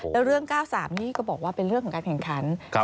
แล้วเรื่อง๙๓นี่ก็บอกที่เป็นเรื่องของการเผ่นครรภ์